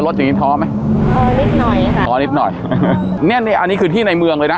อย่างงีท้อไหมท้อนิดหน่อยค่ะท้อนิดหน่อยเนี้ยนี่อันนี้คือที่ในเมืองเลยนะ